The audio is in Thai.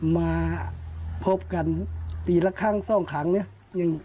มาพบกันปีละครั้งสองครั้งเนี่ย